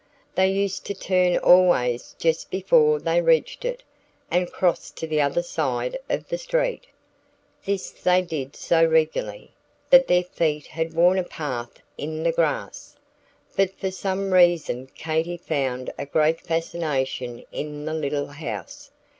They used to turn always just before they reached it, and cross to the other side of the street. This they did so regularly, that their feet had worn a path in the grass. But for some reason Katy found a great fascination in the little house.